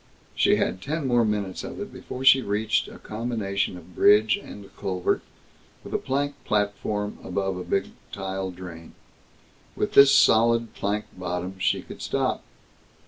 She had ten more minutes of it before she reached a combination of bridge and culvert, with a plank platform above a big tile drain. With this solid plank bottom, she could stop.